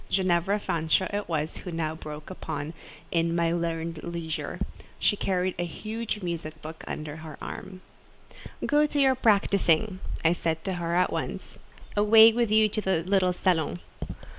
Ginevra Fanshawe it was who now broke in upon "my learned leisure." She carried a huge music book under her arm. "Go to your practising," said I to her at once: "away with you to the little salon!"